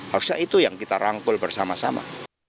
harusnya itu yang kita rangkul bersama sama